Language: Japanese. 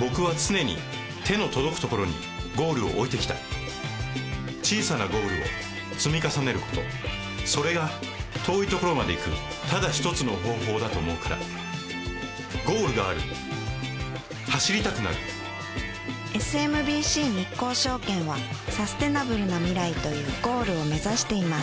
僕は常に手の届くところにゴールを置いてきた小さなゴールを積み重ねることそれが遠いところまで行くただ一つの方法だと思うからゴールがある走りたくなるＳＭＢＣ日興証券はサステナブルな未来というゴールを目指しています